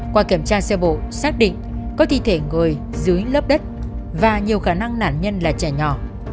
qua kiểm tra sơ bộ xác định có thi thể người dưới lớp đất và nhiều khả năng nạn nhân là trẻ nhỏ